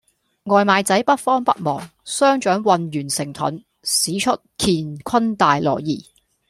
外賣仔不慌不忙，雙掌渾圓成盾，使出乾坤大挪移